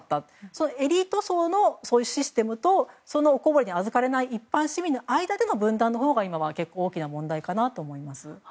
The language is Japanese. そのエリート層のシステムとそのおこぼれにあずかれない一般市民の間での分断のほうが大きな問題かなと思います。